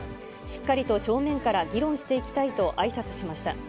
しっかりと正面から議論していきたいとあいさつしました。